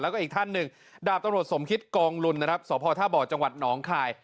แล้วก็อีกท่านหนึ่งดาบตำรวจสมคิตกองลุนนะครับสพท่าบ่อจังหวัดหนองคาย